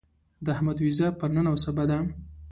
د احمد وېزه پر نن او سبا ده.